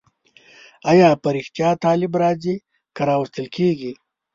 آیا په رښتیا طالب راځي که راوستل کېږي؟